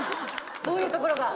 どういうところが？